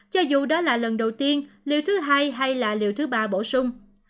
cho dù đó là lần đầu tiên liệu thứ hai hay là liệu thứ ba bổ sung